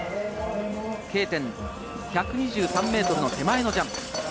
Ｋ点１２３ｍ手前のジャンプ。